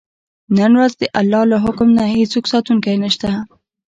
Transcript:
نن ورځ د الله له حکم نه هېڅوک ساتونکی نه شته.